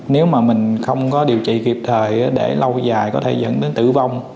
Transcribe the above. nếu mà mình không có điều trị kịp thời để lâu dài có thể dẫn đến tử vong